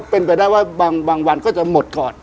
พอเป็นเป็นแบบบางวันก็จะหมดก่อน